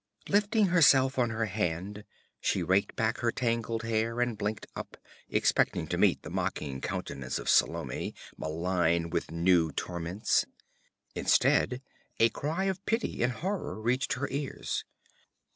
Lifting herself on her hand she raked back her tangled hair and blinked up, expecting to meet the mocking countenance of Salome, malign with new torments. Instead a cry of pity and horror reached her ears.